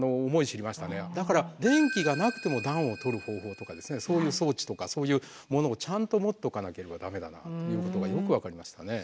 だから電気がなくても暖をとる方法とかそういう装置とかそういうものをちゃんと持っとかなければ駄目だなっていうことがよく分かりましたね。